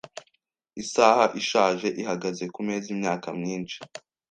Isaha ishaje ihagaze kumeza imyaka myinshi.